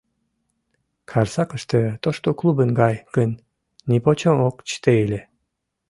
Карсакыште тошто клубын гай гын, нипочем ок чыте ыле.